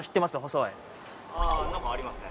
細いああ何かありますね